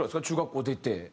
中学校出て。